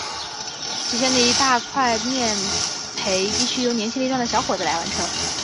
起先的一大块面培必须由年轻力壮的小伙子来完成。